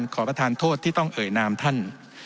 ขอประทานโทษที่ต้องเอ่ยนามท่าน